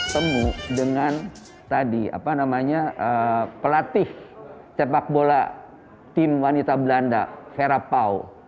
kemu dengan tadi pelatih tepak bola tim wanita belanda vera pau